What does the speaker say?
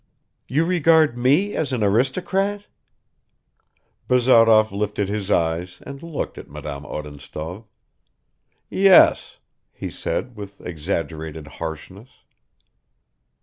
"You regard me as an aristocrat?" Bazarov lifted his eyes and looked at Madame Odintsov. "Yes," he said with exaggerated harshness.